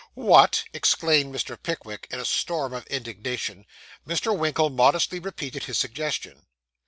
'What!' exclaimed Mr. Pickwick, in a storm of indignation. Mr. Winkle modestly repeated his suggestion.